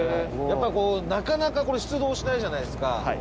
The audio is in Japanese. やっぱなかなかこれ出動しないじゃないですか。